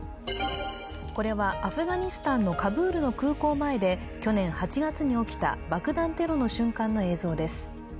これはアフガニスタンのカブールの空港前で去年８月に起きた爆弾テロの瞬間の映像です。